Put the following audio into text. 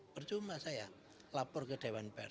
percuma saya lapor ke dewan pers